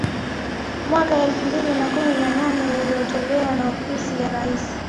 mwaka elfu mbili na kumi na nne uliotolewa na Ofisi ya Raisi